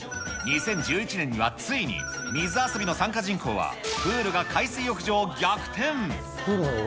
２０１１年にはついに水遊びの参加人口は、プールが海水浴場を逆転。